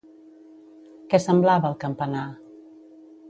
Què semblava el campanar?